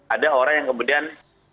ada orang yang kemudian